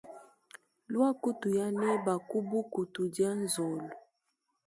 Luaku tuya neba ku buku tudia nzolo.